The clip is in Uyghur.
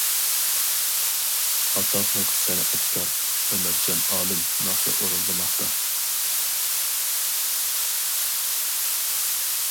ئاتاقلىق سەنئەتكار ئۆمەرجان ئالىم ناخشا ئورۇندىماقتا.